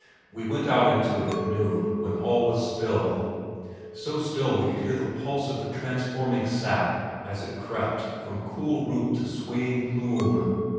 We went out into it at noon when all was still so still we could hear the pulse of the transforming sap as it crept from cool root to swaying plume.